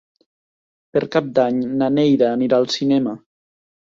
Per Cap d'Any na Neida anirà al cinema.